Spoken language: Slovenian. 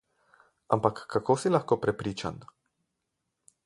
Ampak kako si lahko prepričan?